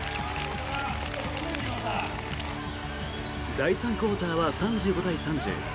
第３クオーターは３５対３０。